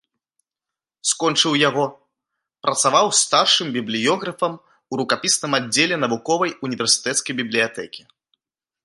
Скончыў яго, працаваў старшым бібліёграфам ў рукапісным аддзеле навуковай універсітэцкай бібліятэкі.